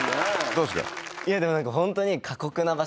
どうですか？